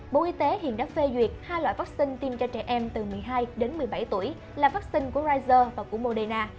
bộ y tế hiện đã phê duyệt hai loại vaccine tiêm cho trẻ em từ một mươi hai đến một mươi bảy tuổi là vaccine của prizer và của moderna